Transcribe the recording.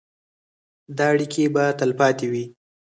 دا اړیکې به تلپاتې وي.